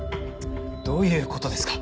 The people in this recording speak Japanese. どういうことですか？